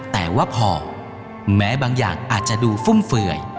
แต่ว่าพอแม้บางอย่างอาจจะดูฟุ่มเฟื่อย